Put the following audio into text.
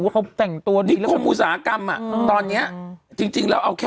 เขาแต่งตัวดีนิคมอุตสาหกรรมอ่ะตอนเนี้ยจริงจริงแล้วเอาแค่